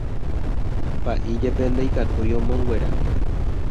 Pa'i jepe ndaikatúi omonguera.